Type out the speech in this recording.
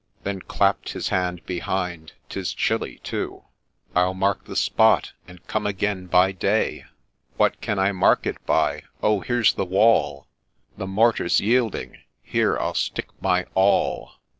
(Then olapp'd his hand behind) —' 'Tis chilly, too — I'll mark the spot, and come again by day. THE GHOST 63 What can I mark it by ?— Oh, here 's the wall — The mortar 's yielding — here I'll stick my awl